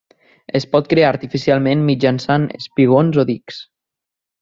Es pot crear artificialment mitjançant espigons o dics.